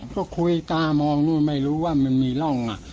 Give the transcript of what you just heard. ก็คุยตามองนู่นไม่รู้ว่ามันมีร่อง